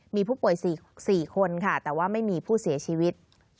มีผู้ป่วย๔คนค่ะแต่ว่าไม่มีผู้เสียชีวิต